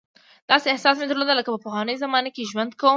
داسې احساس مې درلود لکه په پخوانیو زمانو کې ژوند کوم.